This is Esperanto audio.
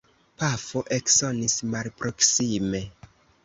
Pafo eksonis malproksime.